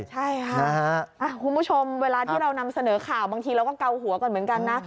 ใช่ค่ะคุณผู้ชมเวลาที่เรานำเสนอข่าวบางทีเราก็เกาหัวกันเหมือนกันนะ